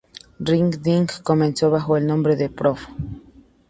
Ring Ding comenzó bajo el nombre de Prof.